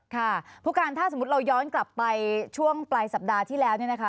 ถ้าเราย้อนกลับไปช่วงปลายสัปดาห์ที่แล้ว